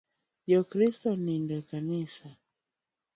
Ja Kristo nindo e kanisa